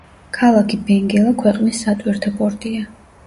ქალაქი ბენგელა ქვეყნის სატვირთო პორტია.